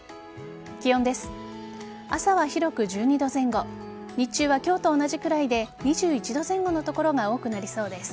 気温です。